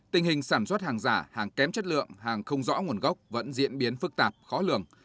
tình hình sản xuất hàng giả hàng kém chất lượng hàng không rõ nguồn gốc vẫn diễn biến phức tạp khó lường